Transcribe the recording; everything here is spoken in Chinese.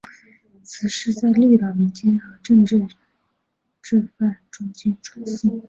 此事在绿岛民间和政治犯中间传诵。